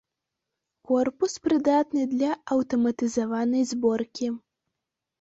Корпус прыдатны для аўтаматызаванай зборкі.